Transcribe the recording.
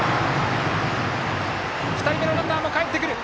２人目のランナーもかえってくる！